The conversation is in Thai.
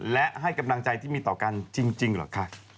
และให้กำลังใจที่มีต่อกันจริงเหรอคะ